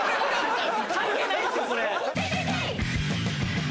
関係ないですよこれ。